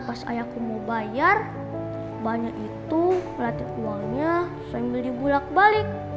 pas ayahku mau bayar banyak itu ngelatih uangnya sambil dibulak balik